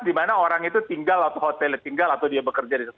di mana orang itu tinggal atau hotelnya tinggal atau dia bekerja di sana